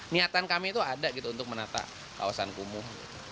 niatan kami itu ada gitu untuk menata kawasan kumuh